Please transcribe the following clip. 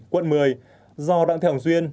quận một mươi do đặng thế hồng duyên